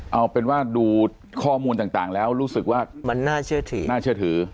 เอาเป็นว่าดูข้อมูลต่างแล้วรู้สึกว่ามันน่าเชื่อถือ